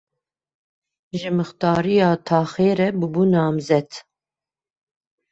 Ji mixtariya taxê re bûbû namzet.